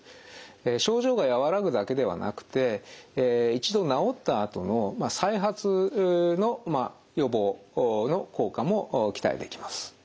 症状が和らぐだけではなくて一度治ったあとの再発の予防の効果も期待できます。